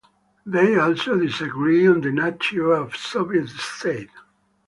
They also disagreed on the nature of a Soviet state.